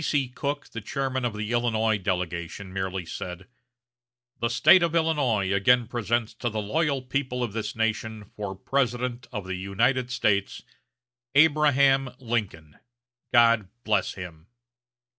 B.C. Cook, the chairman of the Illinois delegation, merely said: "The State of Illinois again presents to the loyal people of this nation for President of the United States, Abraham Lincoln God bless him!"